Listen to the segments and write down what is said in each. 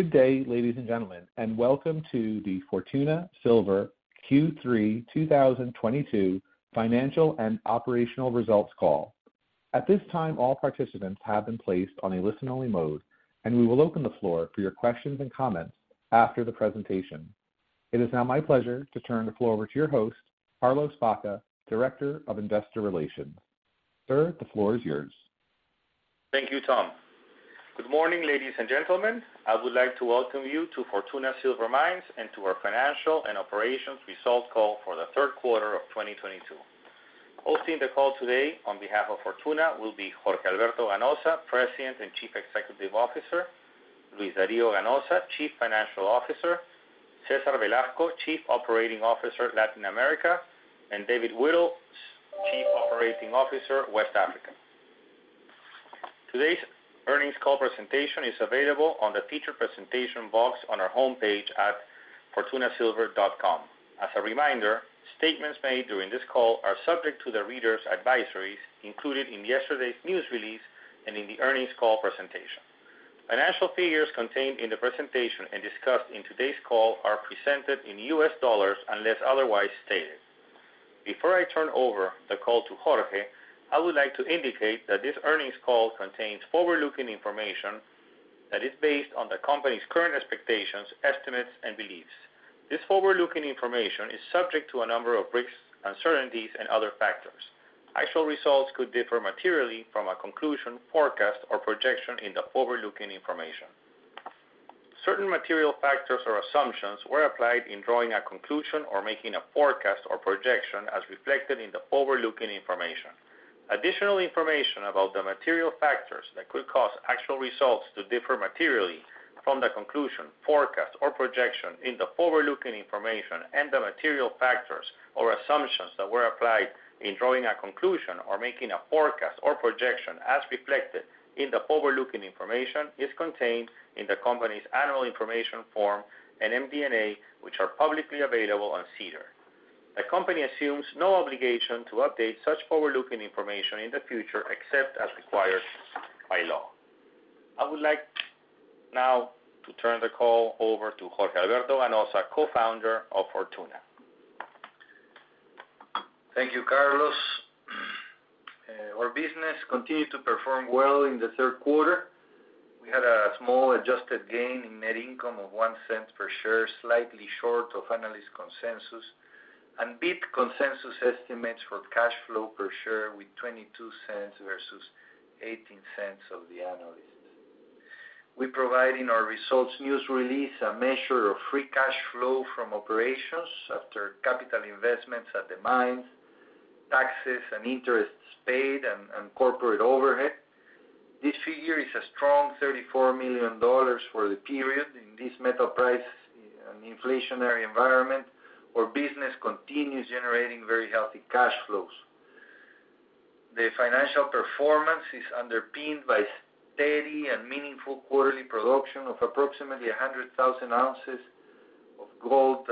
Good day, ladies and gentlemen, and welcome to the Fortuna Silver Q3 2022 financial and operational results call. At this time, all participants have been placed on a listen-only mode, and we will open the floor for your questions and comments after the presentation. It is now my pleasure to turn the floor over to your host, Carlos Baca, Director of Investor Relations Sir, the floor is yours. Thank you, Tom. Good morning, ladies and gentlemen. I would like to welcome you to Fortuna Silver Mines and to our financial and operations result call for the third quarter of 2022. Hosting the call today on behalf of Fortuna will be Jorge Alberto Ganoza, President and Chief Executive Officer, Luis Dario Ganoza, Chief Financial Officer, Cesar Velasco, Chief Operating Officer, Latin America, and David Whittle, Chief Operating Officer, West Africa. Today's earnings call presentation is available on the feature presentation box on our homepage at fortunasilver.com. As a reminder, statements made during this call are subject to the readers' advisories included in yesterday's news release and in the earnings call presentation. Financial figures contained in the presentation and discussed in today's call are presented in U.S. dollars unless otherwise stated. Before I turn over the call to Jorge, I would like to indicate that this earnings call contains forward-looking information that is based on the company's current expectations, estimates, and beliefs. This forward-looking information is subject to a number of risks, uncertainties, and other factors. Actual results could differ materially from a conclusion, forecast, or projection in the forward-looking information. Certain material factors or assumptions were applied in drawing a conclusion, or making a forecast, or projection, as reflected in the forward-looking information. Additional information about the material factors that could cause actual results to differ materially from the conclusion, forecast, or projection in the forward-looking information and the material factors or assumptions that were applied in drawing a conclusion or making a forecast or projection as reflected in the forward-looking information is contained in the company's annual information form and MD&A, which are publicly available on SEDAR. The company assumes no obligation to update such forward-looking information in the future except as required by law. I would like now to turn the call over to Jorge Alberto, and also a co-founder of Fortuna. Thank you, Carlos. Our business continued to perform well in the third quarter. We had a small adjusted gain in net income of $0.01 per share, slightly short of analyst consensus and beat consensus estimates for cash flow per share with $0.22, versus $0.18 of the analyst. We provide in our results news release a measure of free cash flow from operations after capital investments at the mines, taxes, and interests paid, and corporate overhead. This figure is a strong $34 million for the period. In this metal price and inflationary environment, our business continues generating very healthy cash flows. The financial performance is underpinned by steady and meaningful quarterly production of approximately 100,000 oz of gold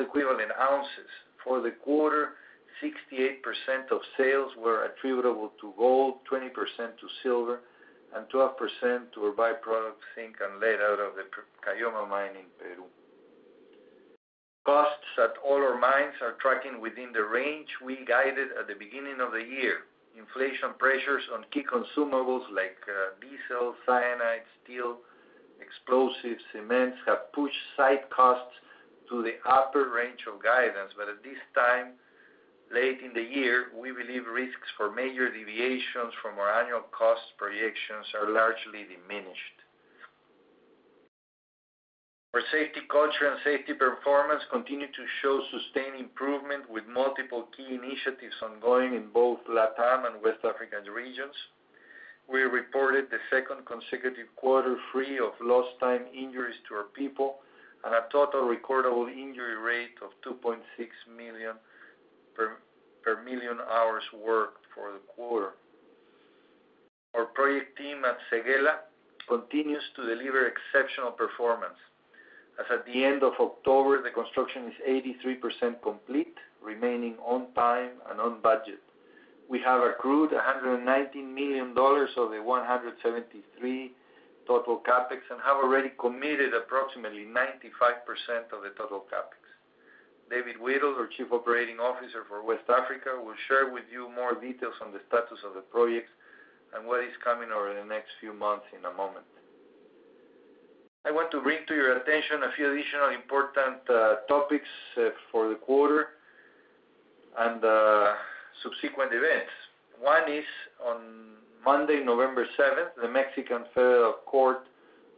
equivalent ounces. For the quarter, 68% of sales were attributable to gold, 20% to silver, and 12% to a byproduct, zinc and lead, out of the Caylloma mine in Peru. Costs at all our mines are tracking within the range we guided at the beginning of the year. Inflation pressures on key consumables like diesel, cyanide, steel, explosives, cements have pushed site costs to the upper range of guidance. At this time, late in the year, we believe risks for major deviations from our annual cost projections are largely diminished. Our safety culture and safety performance continue to show sustained improvement with multiple key initiatives ongoing in both LatAm and West African regions. We reported the second consecutive quarter free of lost time injuries to our people and a total recordable injury rate of 2.6 per million hours worked for the quarter. Our project team at Séguéla continues to deliver exceptional performance. As at the end of October, the construction is 83% complete, remaining on time and on budget. We have accrued $119 million of the $173 million total CapEx and have already committed approximately 95% of the total CapEx. David Whittle, our Chief Operating Officer for West Africa, will share with you more details on the status of the projects and what is coming over the next few months in a moment. I want to bring to your attention a few additional important topics for the quarter and subsequent events. One is on Monday, November seventh, the Mexican Federal Court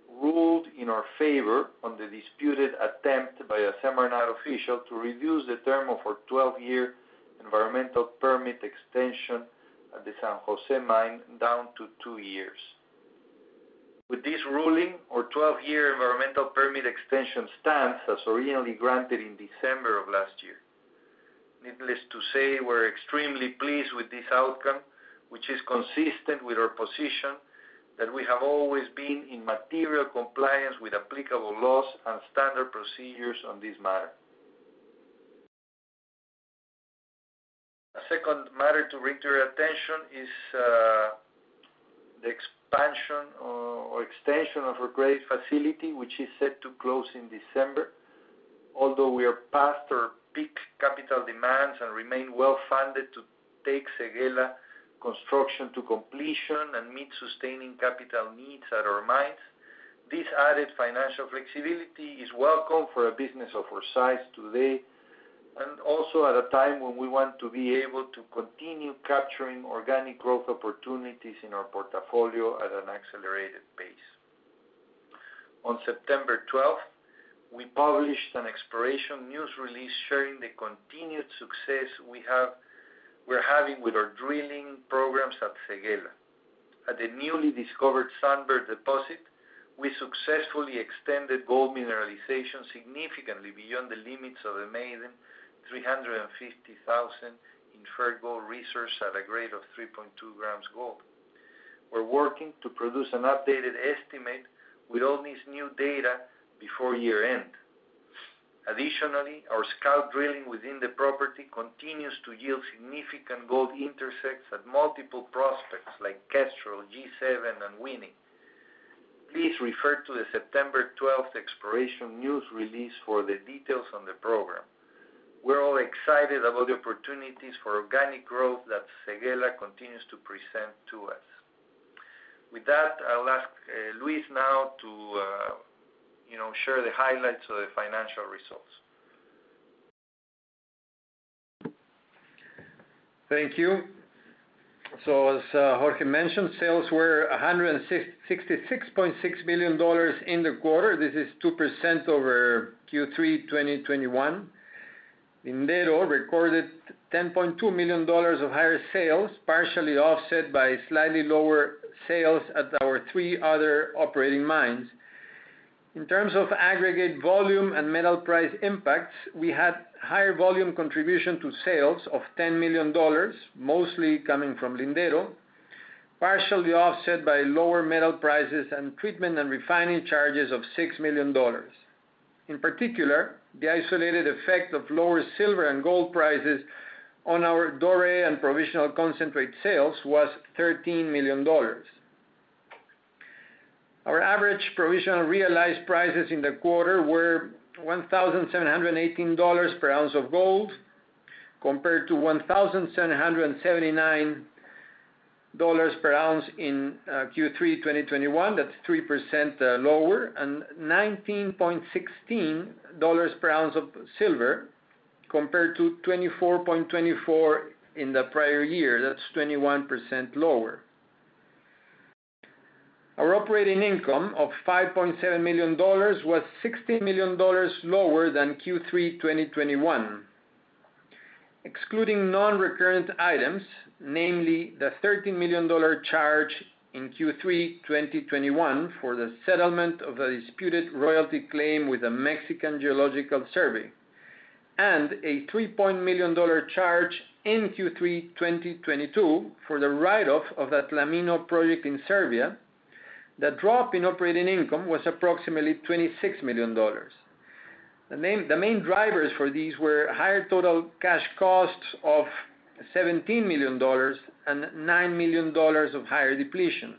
ruled in our favor on the disputed attempt by a SEMARNAT official to reduce the term of our 12-year environmental permit extension at the San José mine down to two years. With this ruling, our 12-year environmental permit extension stands as originally granted in December of last year. Needless to say, we're extremely pleased with this outcome, which is consistent with our position that we have always been in material compliance with applicable laws and standard procedures on this matter. A second matter to bring to your attention is the expansion or extension of our credit facility, which is set to close in December. Although we are past our peak capital demands and remain well-funded to take Séguéla construction to completion and meet sustaining capital needs at our mines, this added financial flexibility is welcome for a business of our size today and also at a time when we want to be able to continue capturing organic growth opportunities in our portfolio at an accelerated pace. On September 12th, we published an exploration news release sharing the continued success we're having with our drilling programs at Séguéla. At the newly discovered Sunbird deposit, we successfully extended gold mineralization significantly beyond the limits of the maiden 350,000 inferred gold resource at a grade of 3.2 g gold. We're working to produce an updated estimate with all this new data before year-end. Additionally, our scout drilling within the property continues to yield significant gold intercepts at multiple prospects like Kestrel, G7, and Winy. Please refer to the September 12th, exploration news release for the details on the program. We're all excited about the opportunities for organic growth that Séguéla continues to present to us. With that, I'll ask Luis now to you know share the highlights of the financial results. Thank you. As Jorge mentioned, sales were $166.6 million in the quarter. This is 2% over Q3 2021. Lindero recorded $10.2 million of higher sales, partially offset by slightly lower sales at our three other operating mines. In terms of aggregate volume and metal price impacts, we had higher volume contribution to sales of $10 million, mostly coming from Lindero, partially offset by lower metal prices and treatment and refining charges of $6 million. In particular, the isolated effect of lower silver and gold prices on our doré and provisional concentrate sales was $13 million. Our average provisional realized prices in the quarter were $1,718 per ounce of gold, compared to $1,779 per ounce in Q3 2021. That's 3% lower, and $19.16 per ounce of silver compared to $24.24 in the prior year. That's 21% lower. Our operating income of $5.7 million was $60 million lower than Q3 2021. Excluding non-recurrent items, namely the $30 million charge in Q3 2021 for the settlement of a disputed royalty claim with the Mexican Geological Survey, and a $3 million charge in Q3 2022 for the write-off of that Tlamino project in Serbia, the drop in operating income was approximately $26 million. The main drivers for these were higher total cash costs of $17 million and $9 million of higher depletion.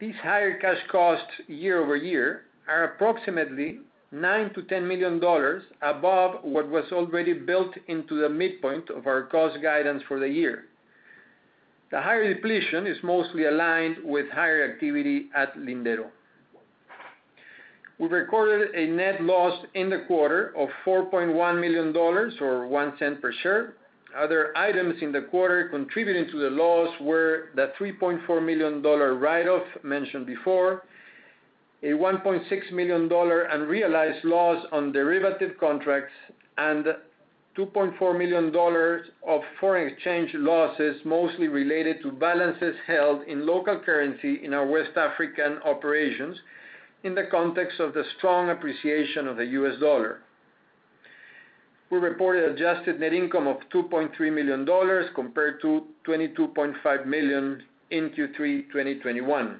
These higher cash costs year over year are approximately $9 million-$10 million above what was already built into the midpoint of our cost guidance for the year. The higher depletion is mostly aligned with higher activity at Lindero. We recorded a net loss in the quarter of $4.1 million or $0.01 per share. Other items in the quarter contributing to the loss were the $3.4 million write-off mentioned before, a $1.6 million unrealized loss on derivative contracts, and $2.4 million of foreign exchange losses, mostly related to balances held in local currency in our West African operations in the context of the strong appreciation of the U.S. dollar. We reported adjusted net income of $2.3 million compared to $22.5 million in Q3 2021.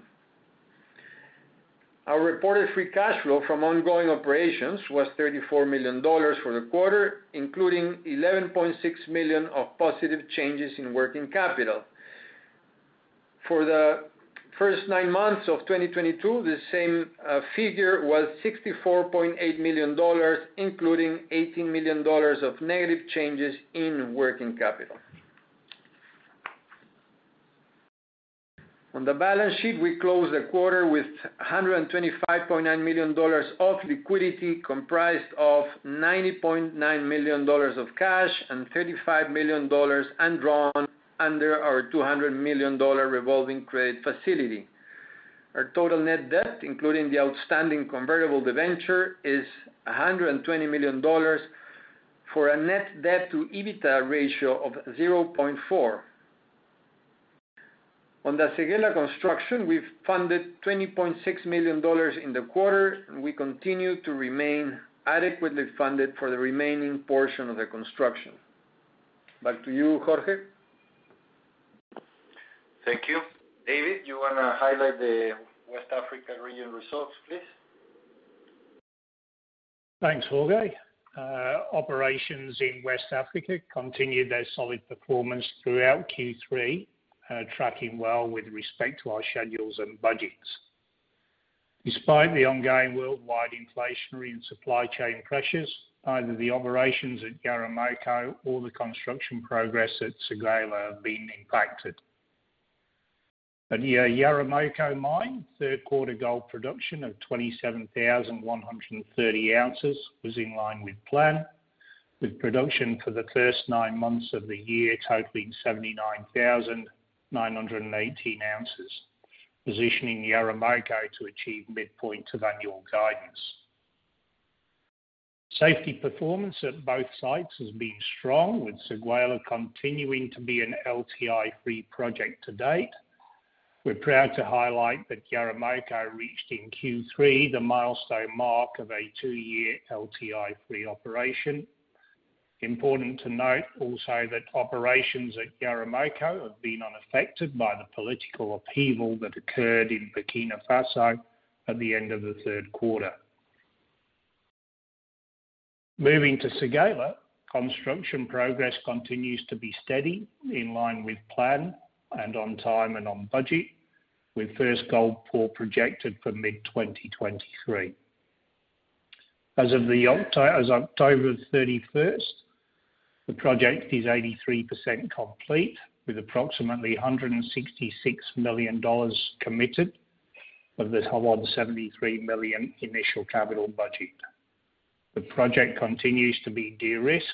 Our reported free cash flow from ongoing operations was $34 million for the quarter, including $11.6 million of positive changes in working capital. For the first nine months of 2022, the same figure was $64.8 million, including $18 million of negative changes in working capital. On the balance sheet, we closed the quarter with $125.9 million of liquidity comprised of $90.9 million of cash and $35 million undrawn under our $200 million revolving credit facility. Our total net debt, including the outstanding convertible debenture, is $120 million for a net debt to EBITDA ratio of 0.4. On the Séguéla construction, we've funded $20.6 million in the quarter, and we continue to remain adequately funded for the remaining portion of the construction. Back to you, Jorge. Thank you. David, you wanna highlight the West African region results, please? Thanks, Jorge. Operations in West Africa continued their solid performance throughout Q3, tracking well with respect to our schedules and budgets. Despite the ongoing worldwide inflationary and supply chain pressures, neither the operations at Yaramoko nor the construction progress at Séguéla have been impacted. At the Yaramoko mine, third quarter gold production of 27,100 oz was in line with plan, with production for the first nine months of the year totaling 79,918 ounces, positioning Yaramoko to achieve midpoint of annual guidance. Safety performance at both sites has been strong, with Séguéla continuing to be an LTI-free project to date. We're proud to highlight that Yaramoko reached in Q3 the milestone mark of a two-year LTI-free operation. Important to note also that operations at Yaramoko have been unaffected by the political upheaval that occurred in Burkina Faso at the end of the third quarter. Moving to Séguéla, construction progress continues to be steady in line with plan and on time and on budget, with first gold pour projected for mid-2023. As of October 31st, the project is 83% complete, with approximately $166 million committed of the total of $73 million initial capital budget. The project continues to be de-risked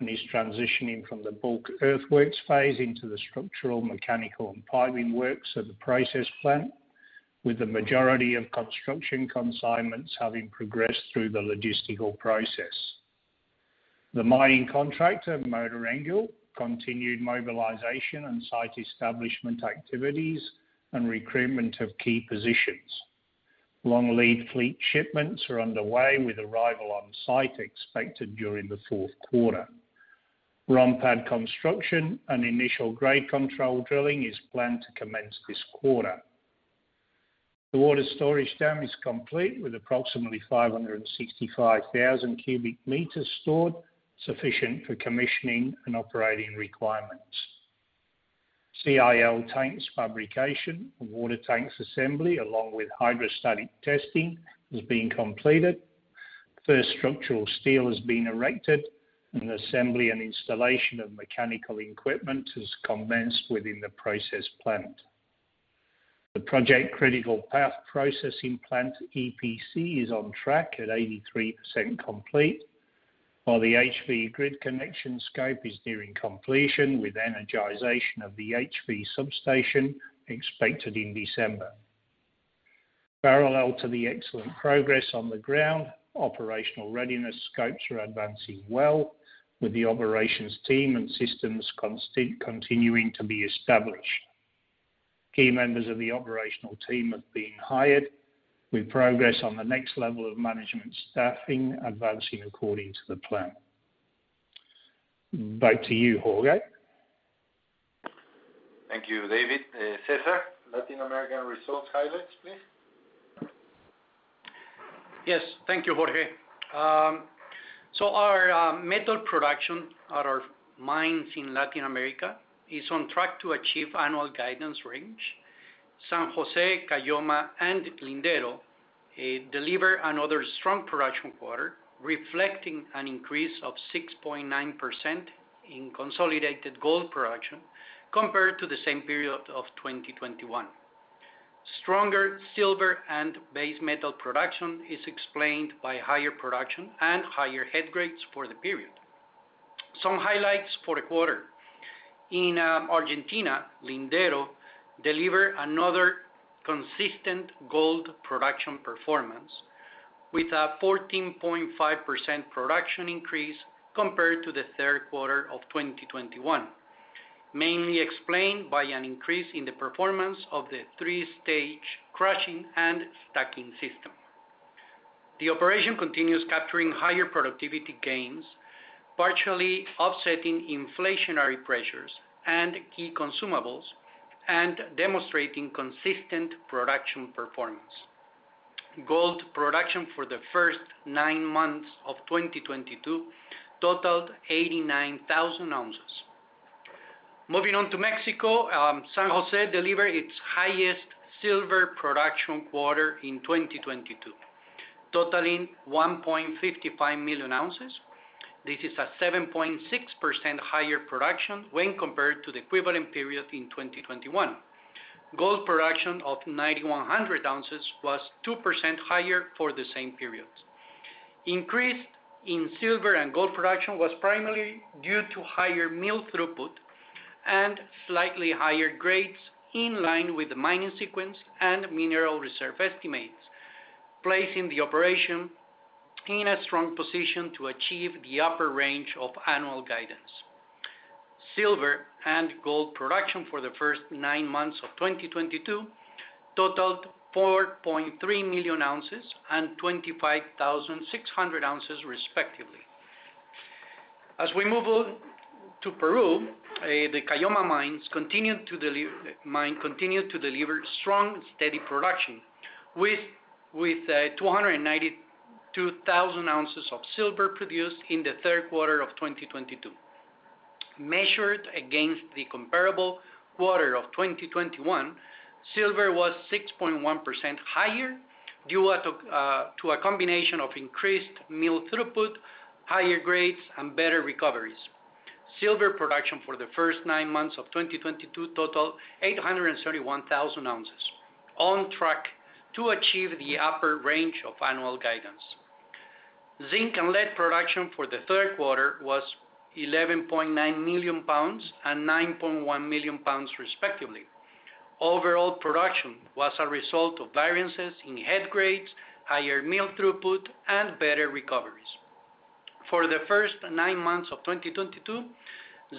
and is transitioning from the bulk earthworks phase into the structural, mechanical, and piping works of the process plant, with the majority of construction consignments having progressed through the logistical process. The mining contractor, Mota-Engil, continued mobilization on-site establishment activities and recruitment of key positions. Long lead fleet shipments are underway with arrival on site expected during the fourth quarter. ROM pad construction and initial grade control drilling is planned to commence this quarter. The water storage dam is complete with approximately 565,000 m³ stored, sufficient for commissioning and operating requirements. CIL tanks fabrication and water tanks assembly, along with hydrostatic testing, has been completed. First structural steel has been erected, and assembly and installation of mechanical equipment has commenced within the process plant. The project critical path processing plant, EPC, is on track at 83% complete, while the HV grid connection scope is nearing completion with energization of the HV substation expected in December. Parallel to the excellent progress on the ground, operational readiness scopes are advancing well with the operations team and systems continuing to be established. Key members of the operational team have been hired with progress on the next level of management staffing advancing according to the plan. Back to you, Jorge. Thank you, David. Cesar, Latin American results highlights, please. Yes. Thank you, Jorge. Our metal production at our mines in Latin America is on track to achieve annual guidance range. San José, Caylloma, and Lindero deliver another strong production quarter, reflecting an increase of 6.9% in consolidated gold production compared to the same period of 2021. Stronger silver and base metal production is explained by higher production and higher head grades for the period. Some highlights for the quarter. In Argentina, Lindero deliver another consistent gold production performance with a 14.5% production increase compared to the third quarter of 2021, mainly explained by an increase in the performance of the three-stage crushing and stacking system. The operation continues capturing higher productivity gains, partially offsetting inflationary pressures and key consumables, and demonstrating consistent production performance. Gold production for the first nine months of 2022 totaled 89,000 oz. Moving on to Mexico, San José delivered its highest silver production quarter in 2022, totaling 1.55 million oz. This is a 7.6% higher production when compared to the equivalent period in 2021. Gold production of 9,100 oz was 2% higher for the same periods. Increase in silver and gold production was primarily due to higher mill throughput and slightly higher grades in line with the mining sequence and mineral reserve estimates, placing the operation in a strong position to achieve the upper range of annual guidance. Silver and gold production for the first nine months of 2022 totaled 4.3 million oz and 25,600 oz, respectively. As we move on to Peru, the Caylloma Mine continued to deliver strong, steady production with 292,000 oz of silver produced in the third quarter of 2022. Measured against the comparable quarter of 2021, silver was 6.1% higher due to a combination of increased mill throughput, higher grades, and better recoveries. Silver production for the first nine months of 2022 totaled 831,000 oz on track to achieve the upper range of annual guidance. Zinc and lead production for the third quarter was 11.9 million pounds and 9.1 million pounds, respectively. Overall production was a result of variances in head grades, higher mill throughput, and better recoveries. For the first nine months of 2022,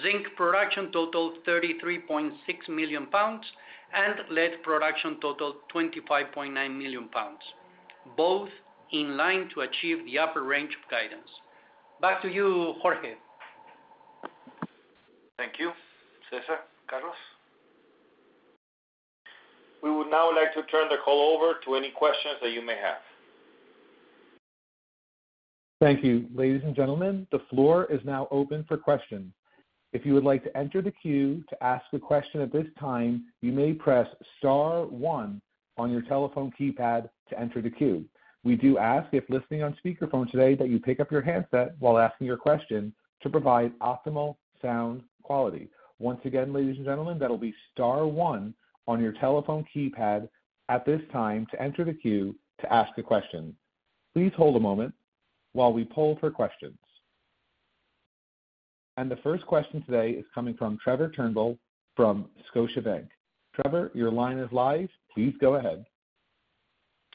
zinc production totaled 33.6 million pounds, and lead production totaled 25.9 million pounds, both in line to achieve the upper range of guidance. Back to you, Jorge. Thank you, Cesar, Carlos. We would now like to turn the call over to any questions that you may have. Thank you. Ladies and gentlemen, the floor is now open for questions. If you would like to enter the queue to ask a question at this time, you may press star one on your telephone keypad to enter the queue. We do ask, if listening on speakerphone today, that you pick up your handset while asking your question to provide optimal sound quality. Once again, ladies and gentlemen, that'll be star one on your telephone keypad at this time to enter the queue to ask a question. Please hold a moment while we poll for questions. The first question today is coming from Trevor Turnbull from Scotiabank. Trevor, your line is live. Please go ahead.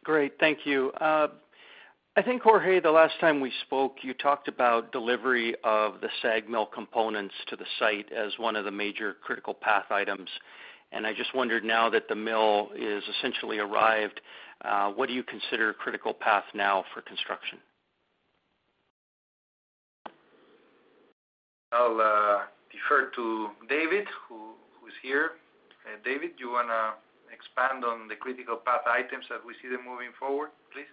Great. Thank you. I think, Jorge, the last time we spoke, you talked about delivery of the SAG mill components to the site as one of the major critical path items. I just wondered now that the mill is essentially arrived, what do you consider critical path now for construction? I'll defer to David, who's here. David, do you wanna expand on the critical path items as we see them moving forward, please?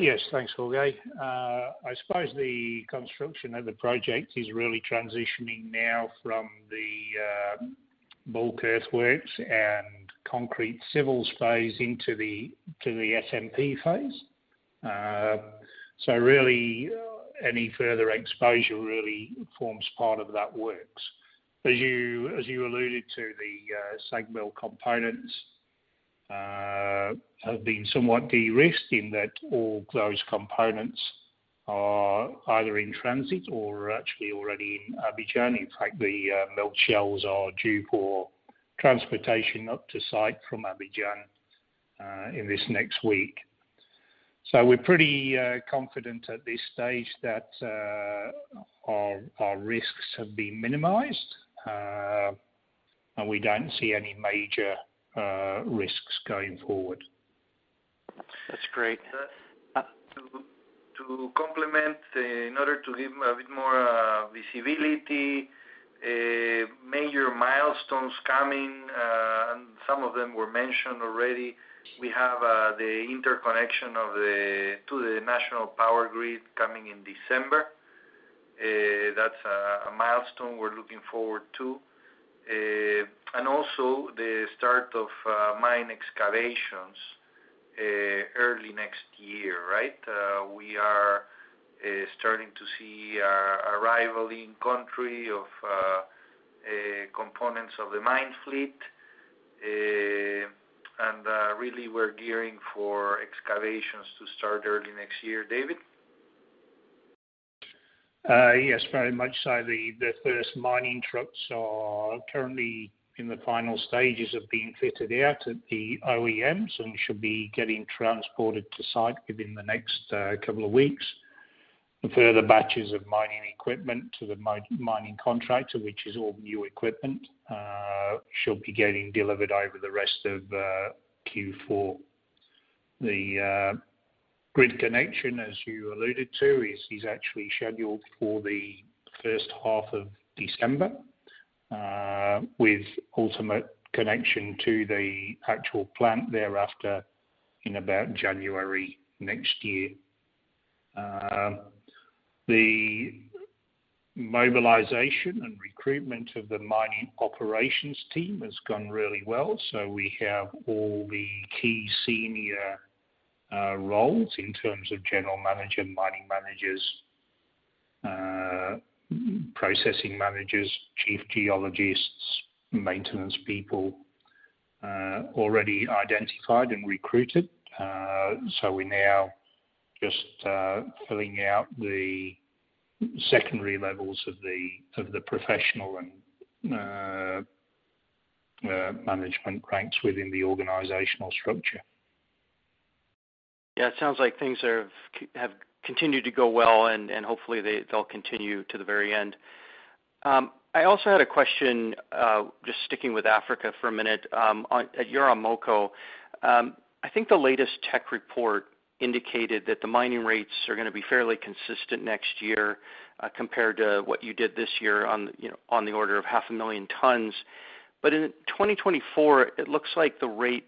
Yes. Thanks, Jorge. I suppose the construction of the project is really transitioning now from the bulk earthworks and concrete civils phase into the SMP phase. Really, any further exposure really forms part of that work. As you alluded to, the SAG mill components have been somewhat de-risked in that all those components are either in transit or actually already in Abidjan. In fact, the mill shells are due for transportation up to site from Abidjan in this next week. We're pretty confident at this stage that our risks have been minimized and we don't see any major risks going forward. That's great. To complement, in order to give a bit more visibility, major milestones coming, and some of them were mentioned already. We have the interconnection to the national power grid coming in December. That's a milestone we're looking forward to. Also the start of mine excavations early next year, right? We are starting to see arrival in country of components of the mine fleet. Really, we're gearing for excavations to start early next year. David? Yes, very much so. The first mining trucks are currently in the final stages of being fitted out at the OEMs and should be getting transported to site within the next couple of weeks. Further batches of mining equipment to the mining contractor, which is all new equipment, should be getting delivered over the rest of Q4. The grid connection, as you alluded to, is actually scheduled for the first half of December, with ultimate connection to the actual plant thereafter in about January next year. The mobilization and recruitment of the mining operations team has gone really well. We have all the key senior roles in terms of general manager, mining managers, processing managers, chief geologists, maintenance people, already identified and recruited. We're now just filling out the secondary levels of the professional and management ranks within the organizational structure. Yeah, it sounds like things have continued to go well, and hopefully they'll continue to the very end. I also had a question, just sticking with Africa for a minute, at Yaramoko. I think the latest tech report indicated that the mining rates are gonna be fairly consistent next year, compared to what you did this year on the order of 500,000 tons. In 2024, it looks like the rate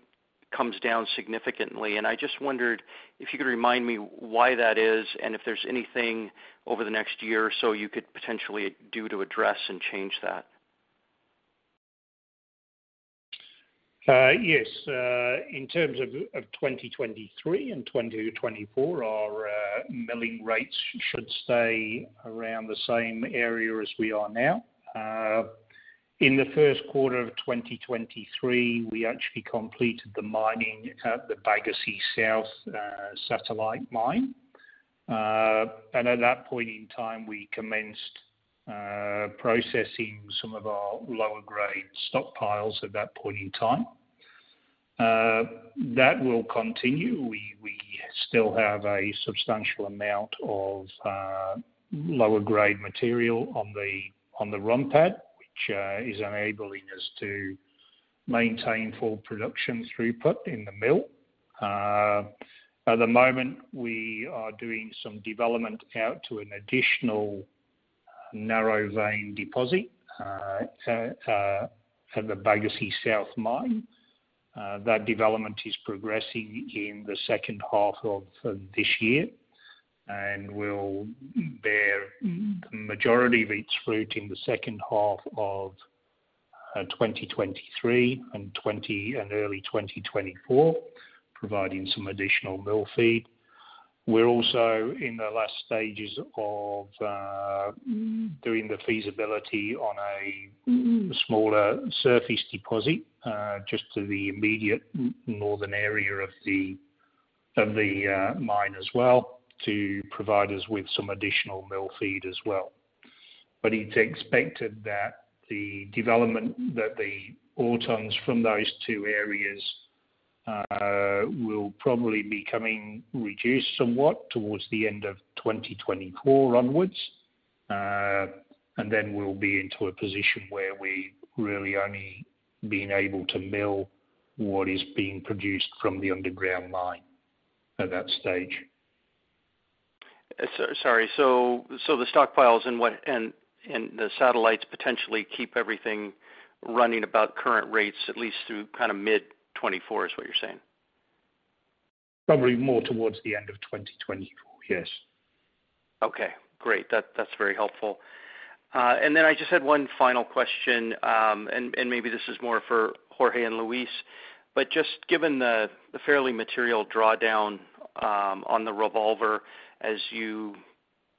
comes down significantly. I just wondered if you could remind me why that is, and if there's anything over the next year or so you could potentially do to address and change that. Yes. In terms of 2023 and 2024, our milling rates should stay around the same area as we are now. In the first quarter of 2023, we actually completed the mining at the Bagassi South satellite mine. At that point in time, we commenced processing some of our lower grade stockpiles at that point in time. That will continue. We still have a substantial amount of lower-grade material on the ROM pad, which is enabling us to maintain full production throughput in the mill. At the moment, we are doing some development out to an additional narrow vein deposit at the Bagassi South mine. That development is progressing in the second half of this year and will bear the majority of its fruit in the second half of 2023 and early 2024, providing some additional mill feed. We're also in the last stages of doing the feasibility on a smaller surface deposit just to the immediate northern area of the mine as well, to provide us with some additional mill feed as well. It's expected that the ore tons from those two areas will probably be coming reduced somewhat towards the end of 2024 onwards. We'll be into a position where we really only being able to mill what is being produced from the underground mine at that stage. Sorry. The stockpiles and the satellites potentially keep everything running about current rates, at least through kinda mid-2024, is what you're saying? Probably more towards the end of 2024, yes. Okay, great. That's very helpful. And then I just had one final question, and maybe this is more for Jorge and Luis. Just given the fairly material drawdown on the revolver as you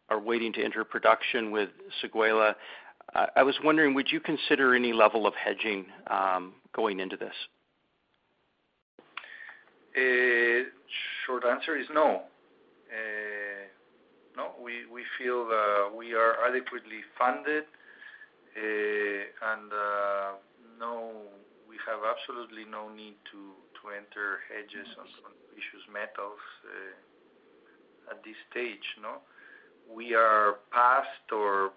are waiting to enter production with Séguéla, I was wondering, would you consider any level of hedging going into this? Short answer is no. No, we feel we are adequately funded, and no, we have absolutely no need to enter hedges on precious metals at this stage. No. We are past our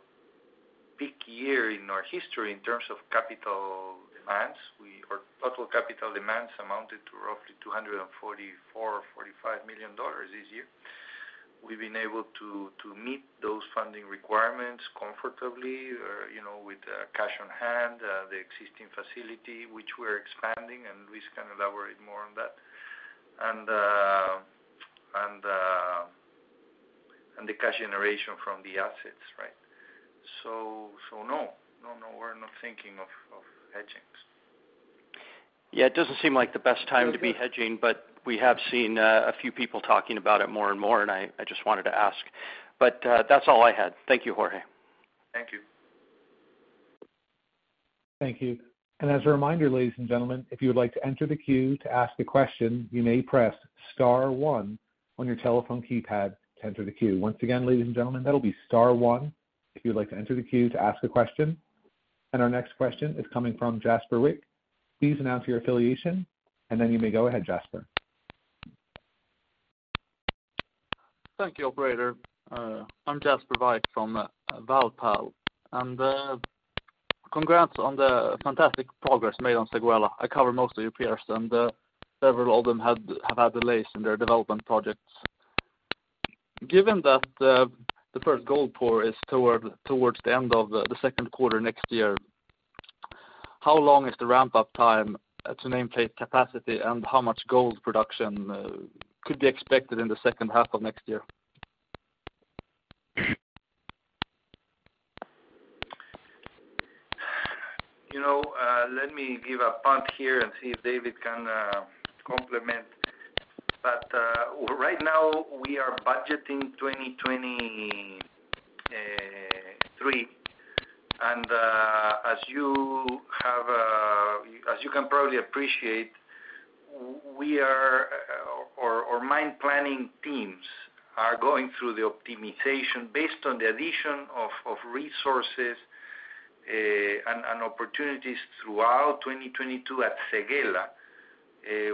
peak year in our history in terms of capital demands. Our total capital demands amounted to roughly $244 million or $245 million this year. We've been able to meet those funding requirements comfortably, you know, with cash on hand, the existing facility, which we're expanding, and Luis can elaborate more on that. The cash generation from the assets, right? No. No, we're not thinking of hedging. Yeah, it doesn't seem like the best time to be hedging, but we have seen a few people talking about it more and more, and I just wanted to ask. That's all I had. Thank you, Jorge. Thank you. Thank you. As a reminder, ladies and gentlemen, if you would like to enter the queue to ask a question, you may press star one on your telephone keypad to enter the queue. Once again, ladies and gentlemen, that'll be star one if you would like to enter the queue to ask a question. Our next question is coming from Jasper Wijk. Please announce your affiliation, and then you may go ahead, Jasper. Thank you, operator. I'm Jasper Wijk from Valpal. Congrats on the fantastic progress made on Séguéla. I cover most of your peers, and several of them have had delays in their development projects. Given that, the first gold pour is towards the end of the second quarter next year. How long is the ramp-up time to nameplate capacity, and how much gold production could be expected in the second half of next year? You know, let me give a punt here and see if David can comment. Right now, we are budgeting 2023. As you can probably appreciate, our mine planning teams are going through the optimization based on the addition of resources and opportunities throughout 2022 at Séguéla.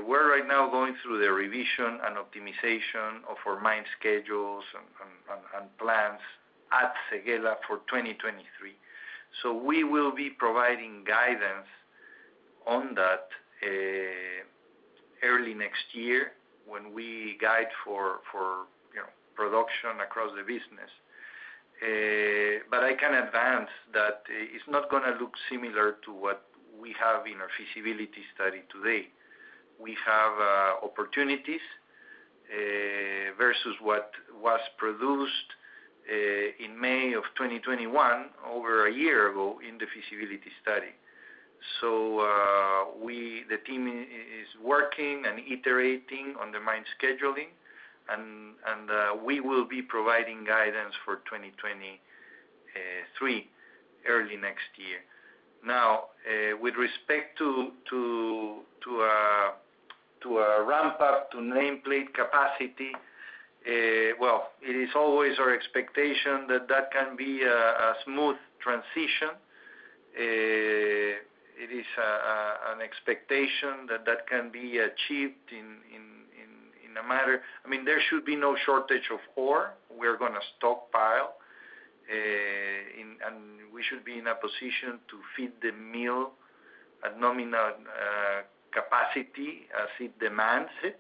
We're right now going through the revision and optimization of our mine schedules and plans at Séguéla for 2023. We will be providing guidance on that early next year when we guide for, you know, production across the business. I can advance that it's not gonna look similar to what we have in our feasibility study today. We have opportunities versus what was produced in May of 2021, over a year ago in the feasibility study. The team is working and iterating on the mine scheduling, and we will be providing guidance for 2023 early next year. Now, with respect to a ramp-up to nameplate capacity, well, it is always our expectation that that can be a smooth transition. It is an expectation that can be achieved in a matter. I mean, there should be no shortage of ore. We're gonna stockpile, and we should be in a position to feed the mill at nominal capacity as it demands it.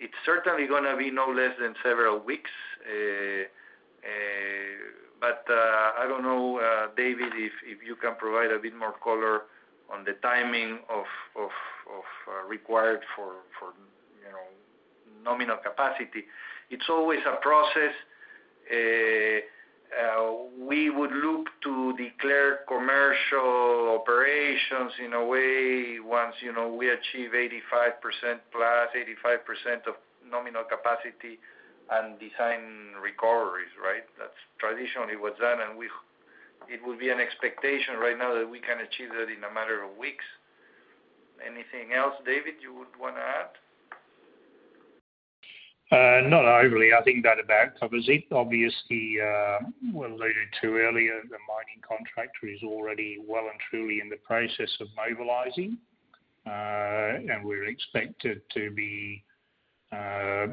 It's certainly gonna be no less than several weeks. I don't know, David, if you can provide a bit more color on the timing required for, you know, nominal capacity. It's always a process. We would look to declare commercial operations in a way once, you know, we achieve 85%+ of nominal capacity and design recoveries, right? That's traditionally what's done. It would be an expectation right now that we can achieve that in a matter of weeks. Anything else, David, you would wanna add? Not overly. I think that about covers it. Obviously, we alluded to earlier, the mining contract is already well and truly in the process of mobilizing. We're expected to be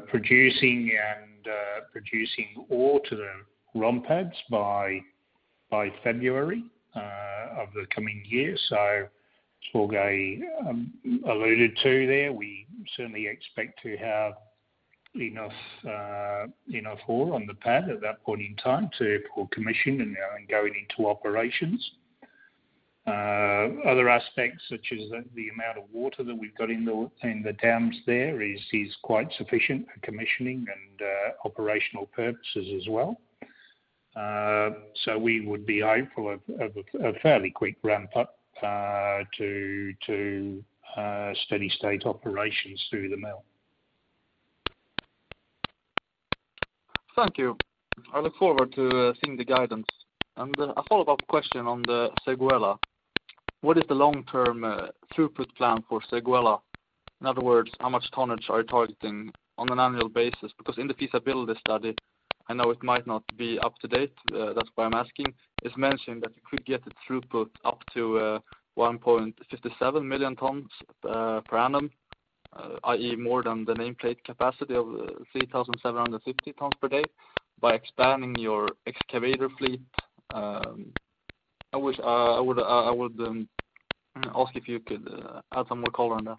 producing ore to the ROM pads by February of the coming year. As Jorge alluded to there, we certainly expect to have enough ore on the pad at that point in time to fully commission and now and going into operations. Other aspects, such as the amount of water that we've got in the dams there is quite sufficient for commissioning and operational purposes as well. We would be hopeful of a fairly quick ramp up to steady state operations through the mill. Thank you. I look forward to seeing the guidance. A follow-up question on the Séguéla. What is the long-term throughput plan for Séguéla? In other words, how much tonnage are you targeting on an annual basis? Because in the feasibility study, I know it might not be up to date, that's why I'm asking. It's mentioned that you could get the throughput up to 1.57 million tons per annum, i.e., more than the nameplate capacity of 3,750 tons per day by expanding your excavator fleet. I would ask if you could add some more color on that.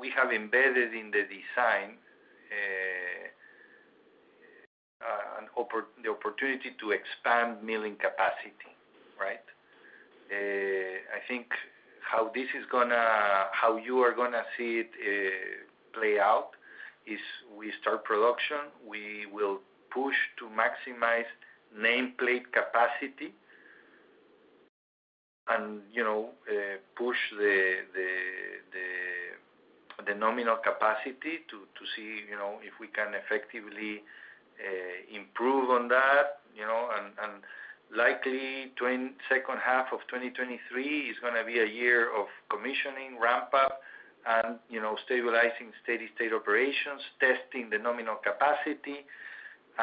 We have embedded in the design the opportunity to expand milling capacity, right? I think how you are gonna see it play out is we start production. We will push to maximize nameplate capacity and, you know, push the nominal capacity to see, you know, if we can effectively improve on that, you know. Likely, second half of 2023 is gonna be a year of commissioning, ramp up, and, you know, stabilizing steady state operations, testing the nominal capacity.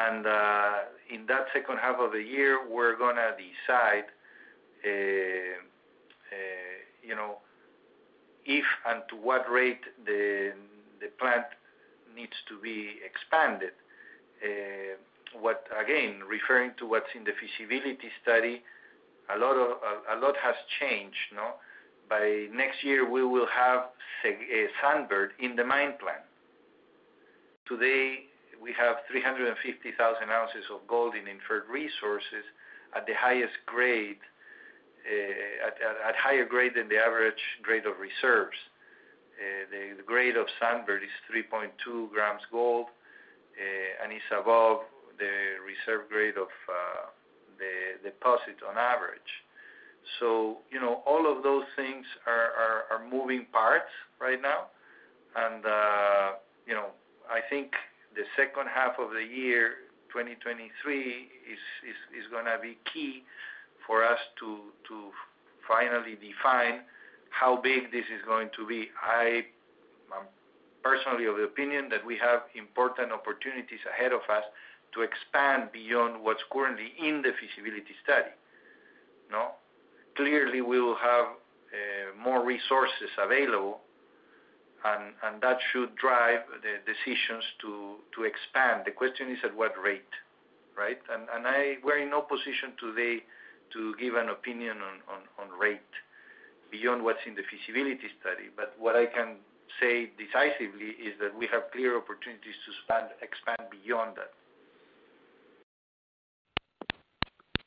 In that second half of the year, we're gonna decide, you know, if and to what rate the plant needs to be expanded. Again, referring to what's in the feasibility study, a lot has changed, you know. By next year, we will have Sunbird in the mine plan. Today, we have 350,000 oz of gold in inferred resources at the highest grade, at higher grade than the average grade of reserves. The grade of Sunbird is 3.2 g gold, and it's above the reserve grade of the deposit on average. You know, all of those things are moving parts right now. You know, I think the second half of the year 2023 is gonna be key for us to finally define how big this is going to be. I'm personally of the opinion that we have important opportunities ahead of us to expand beyond what's currently in the feasibility study. No. Clearly, we will have more resources available and that should drive the decisions to expand. The question is at what rate, right? We're in no position today to give an opinion on rate beyond what's in the feasibility study. What I can say decisively is that we have clear opportunities to expand beyond that.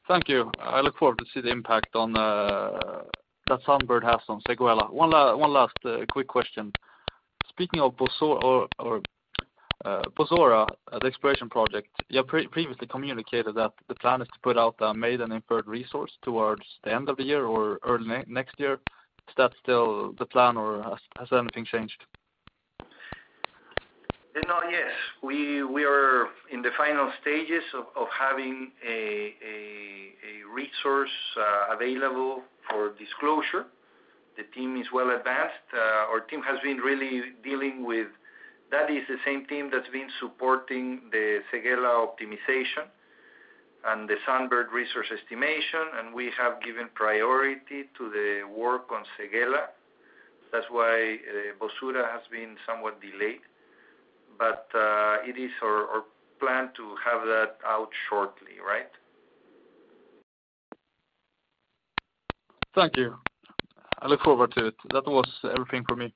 Thank you. I look forward to see the impact on that Sunbird has on Séguéla. One last quick question. Speaking of Boussoura as exploration project, you previously communicated that the plan is to put out a maiden and inferred resource towards the end of the year or early next year. Is that still the plan, or has anything changed? No, yes. We are in the final stages of having a resource available for disclosure. The team is well advanced. That is the same team that's been supporting the Séguéla optimization and the Sunbird resource estimation, and we have given priority to the work on Séguéla. That's why Boussoura has been somewhat delayed. It is our plan to have that out shortly, right? Thank you. I look forward to it. That was everything for me.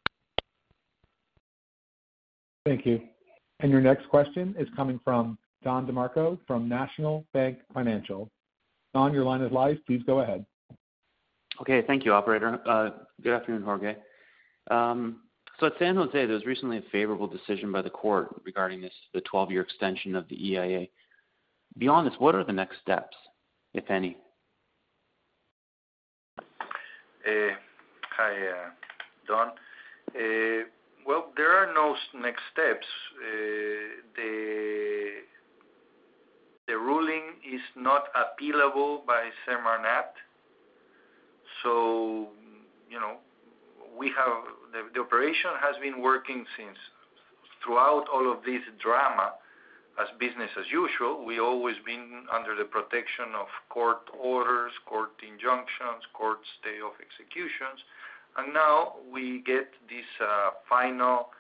Thank you. Your next question is coming from Don DeMarco from National Bank Financial. Don, your line is live. Please go ahead. Okay, thank you, operator. Good afternoon, Jorge. At San José, there was recently a favorable decision by the court regarding this, the 12-year extension of the EIA. Beyond this, what are the next steps, if any? Hi, Don. Well, there are no next steps. The ruling is not appealable by SEMARNAT. You know, we have the operation has been working throughout all of this drama as business as usual. We've always been under the protection of court orders, court injunctions, court stay of executions. Now we get this final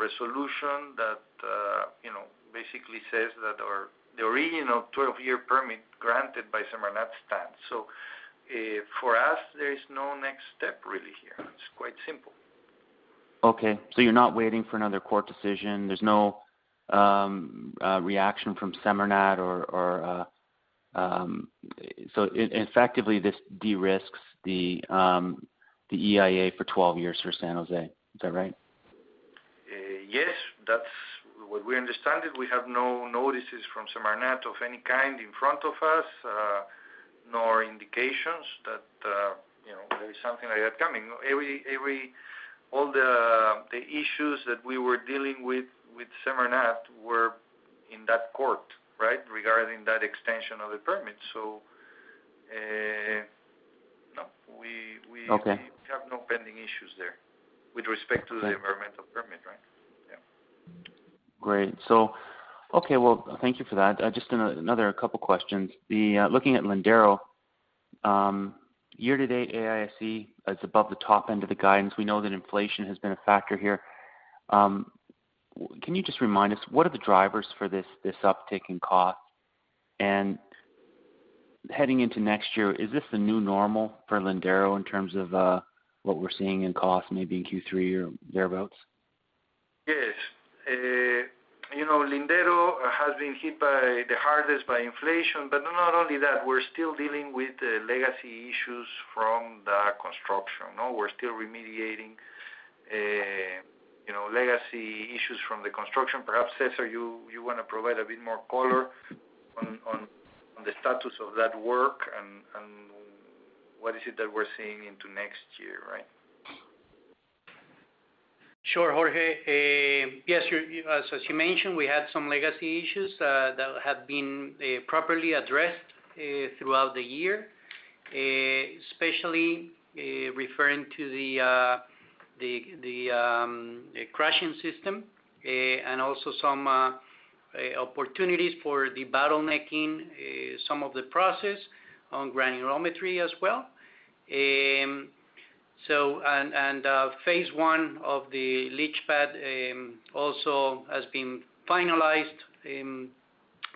resolution that you know basically says that our original 12-year permit granted by SEMARNAT stands. For us, there is no next step really here. It's quite simple. Okay, you're not waiting for another court decision. There's no reaction from SEMARNAT. Effectively, this de-risks the EIA for 12 years for San Jose. Is that right? Yes. That's what we understand it. We have no notices from SEMARNAT of any kind in front of us, nor indications that, you know, there is something like that coming. All the issues that we were dealing with SEMARNAT were in that court, right? Regarding that extension of the permit. No, we Okay. We have no pending issues there with respect to the environmental permit, right? Yeah. Great. Okay, well, thank you for that. Just another couple questions. Looking at Lindero, year-to-date AISC is above the top end of the guidance. We know that inflation has been a factor here. Can you just remind us, what are the drivers for this uptick in cost? Heading into next year, is this the new normal for Lindero in terms of what we're seeing in cost maybe in Q3 or thereabouts? Yes. You know, Lindero has been hit the hardest by inflation, but not only that, we're still remediating, you know, legacy issues from the construction. Perhaps, Cesar, you wanna provide a bit more color on the status of that work and what is it that we're seeing into next year, right? Sure, Jorge. Yes, as you mentioned, we had some legacy issues that have been properly addressed throughout the year, especially referring to the crushing system and also some opportunities for the bottlenecking some of the process on granulometry as well. Phase I of the leach pad also has been finalized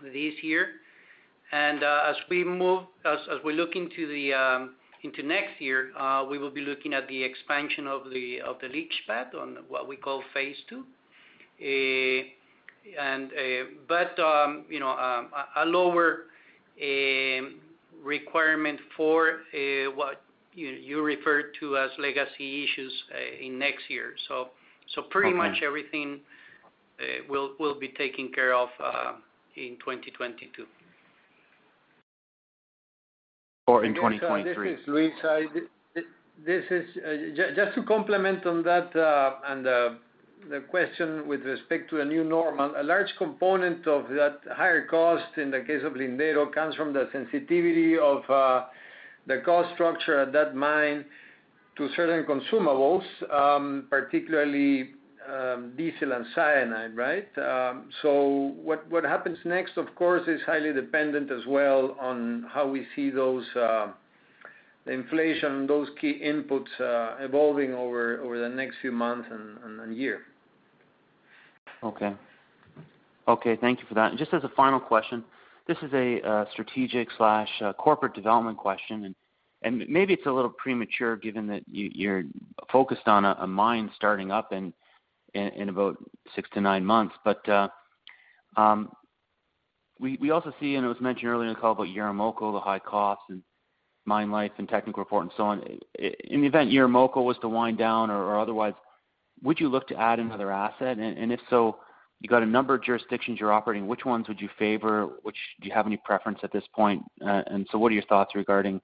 this year. As we look into next year, we will be looking at the expansion of the leach pad on what we call phase II. But you know, a lower requirement for what you referred to as legacy issues in next year. Pretty much everything will be taken care of in 2022. In 2023. This is Luis. This is just to comment on that and the question with respect to a new normal. A large component of that higher cost in the case of Lindero comes from the sensitivity of the cost structure at that mine to certain consumables, particularly diesel and cyanide, right? What happens next, of course, is highly dependent as well on how we see those, the inflation, those key inputs evolving over the next few months and year. Okay. Okay, thank you for that. Just as a final question, this is a strategic corporate development question. Maybe it's a little premature given that you're focused on a mine starting up in about 6-9 months. We also see, and it was mentioned earlier in the call about Yaramoko, the high costs and mine life and technical report and so on. In the event Yaramoko was to wind down or otherwise, would you look to add another asset? If so, you got a number of jurisdictions you're operating, which ones would you favor? Which do you have any preference at this point? What are your thoughts regarding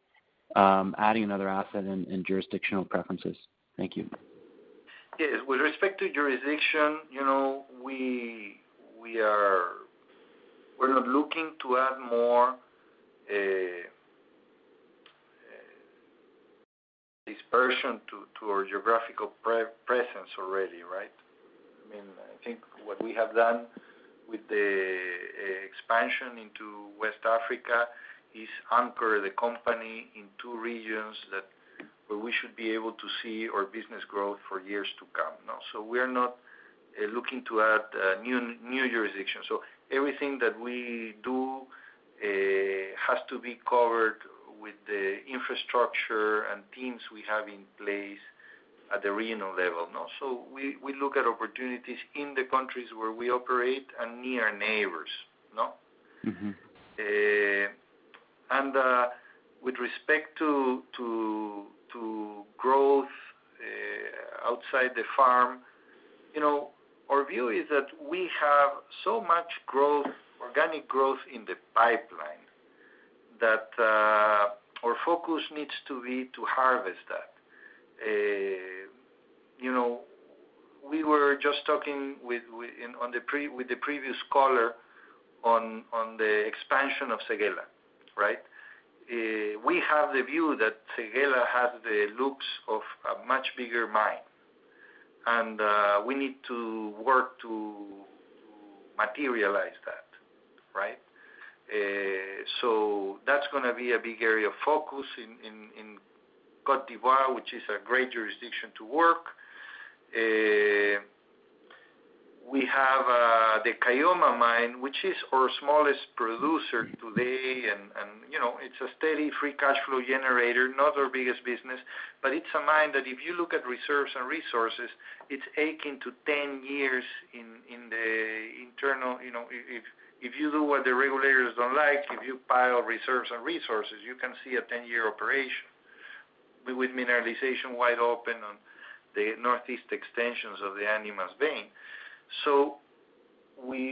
adding another asset and jurisdictional preferences? Thank you. Yes. With respect to jurisdiction, you know, we're not looking to add more dispersion to our geographical presence already, right? I mean, I think what we have done with the expansion into West Africa is anchor the company in two regions where we should be able to see our business growth for years to come now. We're not looking to add new jurisdictions. Everything that we do has to be covered with the infrastructure and teams we have in place at the regional level now. We look at opportunities in the countries where we operate and near neighbors. No? Mm-hmm. With respect to growth outside the firm, you know, our view is that we have so much growth, organic growth in the pipeline that our focus needs to be to harvest that. You know, we were just talking with the previous caller on the expansion of Séguéla, right? We have the view that Séguéla has the looks of a much bigger mine, and we need to work to materialize that, right? That's gonna be a big area of focus in Côte d'Ivoire, which is a great jurisdiction to work. We have the Caylloma mine, which is our smallest producer today. You know, it's a steady free cash flow generator, not our biggest business. It's a mine that if you look at reserves and resources, it's akin to 10 years in the interim, you know. If you do what the regulators don't like, if you add reserves and resources, you can see a 10-year operation with mineralization wide open on the northeast extensions of the Animas vein.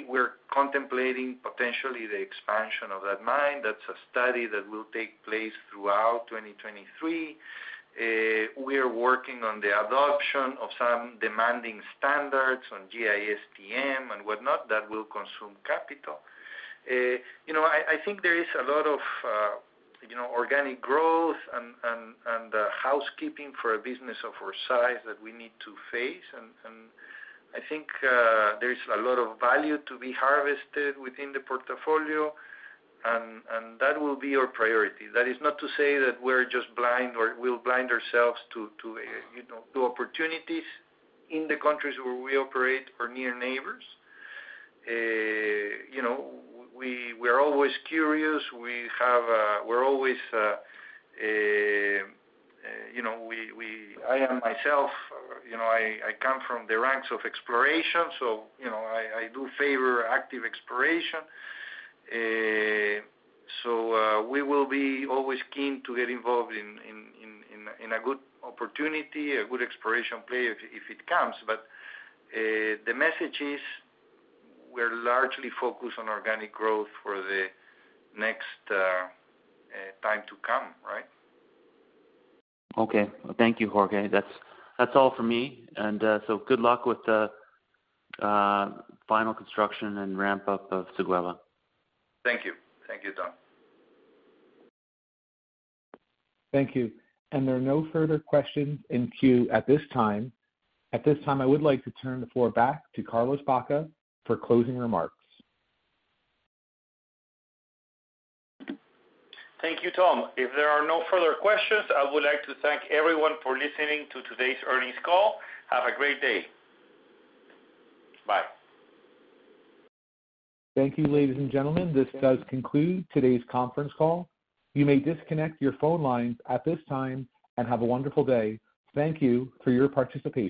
We're contemplating potentially the expansion of that mine. That's a study that will take place throughout 2023. We are working on the adoption of some demanding standards on GISTM and whatnot that will consume capital. You know, I think there is a lot of organic growth and housekeeping for a business of our size that we need to face. I think there is a lot of value to be harvested within the portfolio, and that will be our priority. That is not to say that we're just blind or we'll blind ourselves to you know, to opportunities in the countries where we operate or near neighbors. You know, we're always curious. I am myself, you know, I come from the ranks of exploration, so, you know, I do favor active exploration. So, we will be always keen to get involved in a good opportunity, a good exploration play if it comes. The message is we're largely focused on organic growth for the next time to come, right? Okay. Thank you, Jorge. That's all for me. Good luck with the final construction and ramp up of Séguéla. Thank you. Thank you, Don. Thank you. There are no further questions in queue at this time. At this time, I would like to turn the floor back to Carlos Baca for closing remarks. Thank you, Tom. If there are no further questions, I would like to thank everyone for listening to today's earnings call. Have a great day. Bye. Thank you, ladies and gentlemen. This does conclude today's conference call. You may disconnect your phone lines at this time, and have a wonderful day. Thank you for your participation.